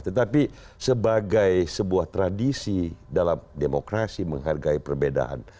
tetapi sebagai sebuah tradisi dalam demokrasi menghargai perbedaan